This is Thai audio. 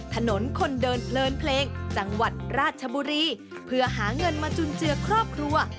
ถนนคนเดินเพลินเพลงจังหวัดราชบุรีเพื่อหาเงินมาจุนเจือครอบครัว